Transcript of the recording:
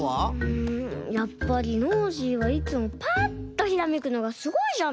うんやっぱりノージーはいつもパッとひらめくのがすごいじゃないですか。